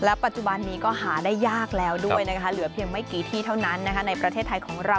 ปัจจุบันนี้ก็หาได้ยากแล้วด้วยนะคะเหลือเพียงไม่กี่ที่เท่านั้นในประเทศไทยของเรา